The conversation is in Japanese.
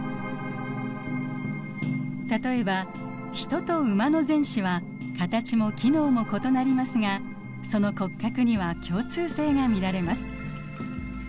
例えばヒトとウマの前肢は形も機能も異なりますがその骨格には共通性が見られます。